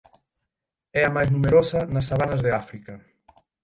É a máis numerosa nas sabanas de África.